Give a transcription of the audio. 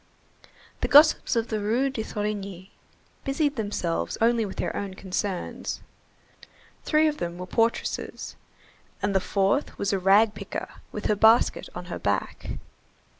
The gossips of the Rue de Thorigny busied themselves only with their own concerns. Three of them were portresses, and the fourth was a rag picker with her basket on her back.